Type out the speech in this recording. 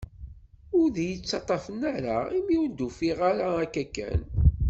Ur d ay-ttaṭafen ara, imi ur d-ffiɣeɣ ara, akka kan.